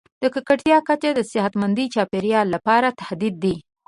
د ککړتیا کچه د صحتمند چاپیریال لپاره تهدید دی.